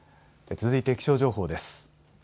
続いて気象情報です。